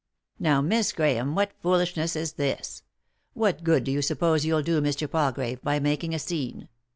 "Now, Miss Grahame, what foolishness is this? What good do you suppose you'll do Mr. Palgrave by making a scene